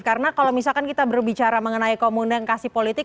karena kalau misalkan kita berbicara mengenai komunikasi politik